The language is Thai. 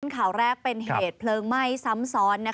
ข่าวแรกเป็นเหตุเพลิงไหม้ซ้ำซ้อน